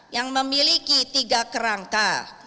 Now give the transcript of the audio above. yang memiliki tiga kerangka